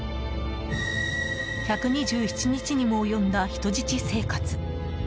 １２７日にも及んだ人質生活。